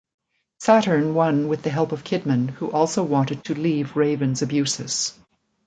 Saturn won with the help of Kidman, who also wanted to leave Raven's abuses.